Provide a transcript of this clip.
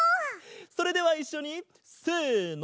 それではいっしょにせの。